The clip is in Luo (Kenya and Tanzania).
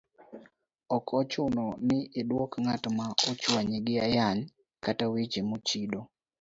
Ok ochuno ni idwok ng'at ma ochwanyi gi ayany kata weche mochido,